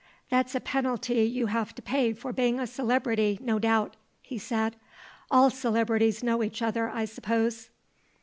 "That's a penalty you have to pay for being a celebrity, no doubt," he said. "All celebrities know each other, I suppose."